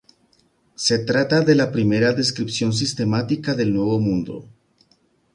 Se trata de la primera descripción sistemática del Nuevo Mundo.